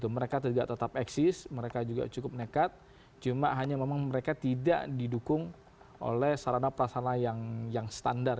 mereka tidak tetap eksis mereka juga cukup nekat cuma hanya memang mereka tidak didukung oleh sarana prasarana yang standar